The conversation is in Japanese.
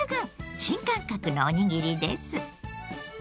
新感覚のおにぎりです。